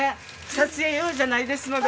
撮影用じゃないですので。